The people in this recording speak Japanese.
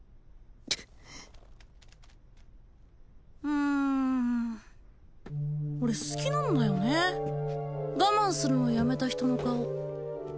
うーん俺好きなんだよね我慢するのやめた人の顔